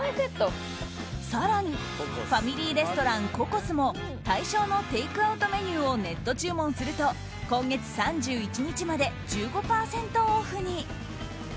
更に、ファミリーレストランココスも対象のテイクアウトメニューをネット注文すると今月３１日まで１５％オフに。